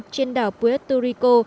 trên đảo puerto rico